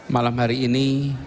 malam hari ini